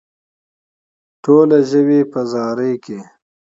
ټوله ژوي په زاري کې.